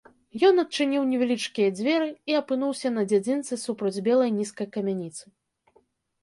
Ён адчыніў невялічкія дзверы і апынуўся на дзядзінцы супроць белай нізкай камяніцы.